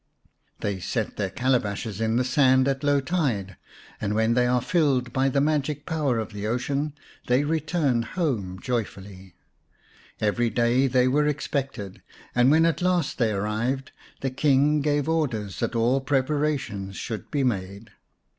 They set their calabashes in the sand at low tide, and when they are filled by the magic power of the ocean they return home joyfully. Every day they were expected, and when at last they arrived the King gave orders that all preparations should be made.